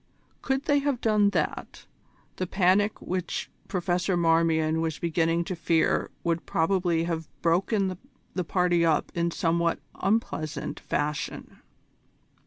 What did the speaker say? Could they have done that, the panic which Professor Marmion was beginning to fear would probably have broken the party up in somewhat unpleasant fashion.